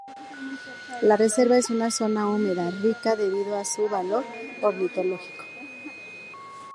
La reserva es una zona húmeda rica debido a su valor ornitológico.